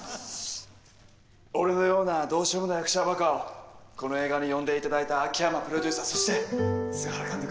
俺のようなどうしようもない役者ばかをこの映画に呼んでいただいた秋山プロデューサーそして菅原監督